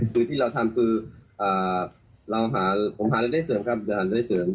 คือที่เราทำคือเราหาผมหารายได้เสริมครับจะหารายได้เสริม